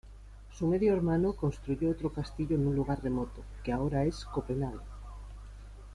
Su medio hermano construyó otro castillo en un lugar remoto, que ahora es Copenhague.